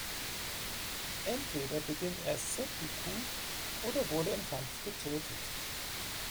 Entweder beging er Seppuku oder wurde im Kampf getötet.